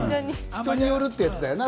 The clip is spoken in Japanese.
人によるっていうやつだよな。